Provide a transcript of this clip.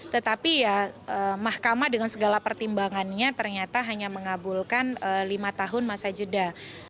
tetapi ya mahkamah dengan segala pertimbangannya ternyata hanya mengabulkan lima tahun masa jeda